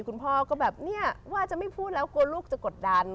คุณพ่อก็แบบเนี่ยว่าจะไม่พูดแล้วกลัวลูกจะกดดัน